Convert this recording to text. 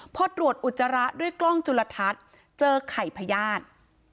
พอตรวจอุจจาระด้วยกล้องจุลทัศน์เจอไข่พญาติ